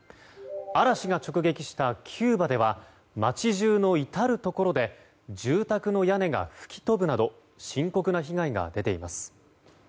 嵐が直撃したキューバでは街中の至るところで住宅の屋根が吹き飛ぶなど深刻な被害が出ています。